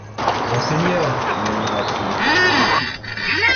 Monseigneur ! murmura-t-il.